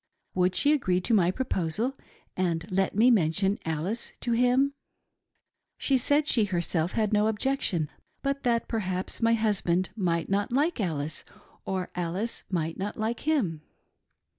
Would she agree to my proposal and let me mention Alice to him ?" She said, she herself, had no objection, but that perhaps my husband might not like Alice, or Alice might not like him.